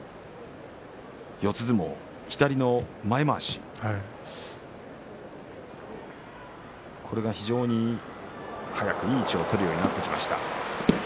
四つ相撲、左の前まわしこれが非常に速くいい位置を取るようになってきました。